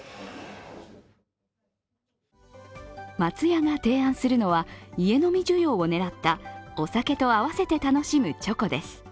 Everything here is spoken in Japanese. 松屋が提案するのは家飲み需要を狙ったお酒と合わせて楽しむチョコです。